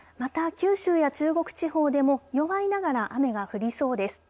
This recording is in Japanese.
また、九州や中国地方でも弱いながら雨が降りそうです。